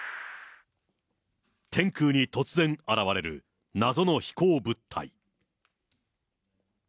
天空に突然現れる謎の飛行物体。